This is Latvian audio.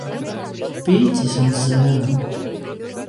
Piķis un zēvele